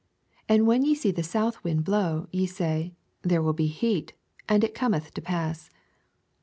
55 And when ye see the south wind blow, ye say, There will be heat; and it Cometh to pass.